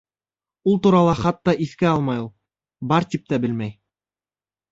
Ул турала хатта иҫкә алмай ул, бар тип тә белмәй.